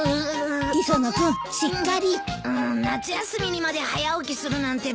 夏休みにまで早起きするなんて